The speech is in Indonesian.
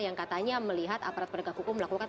yang katanya melihat aparat penegak hukum melakukan